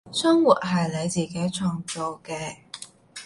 生活係你自己創造嘅